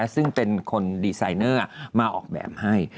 ซึ่งเป็นคนดีไซเนอร์มาออกแบบให้